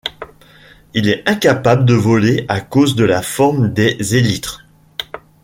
Il est incapable de voler à cause de la forme des élytres.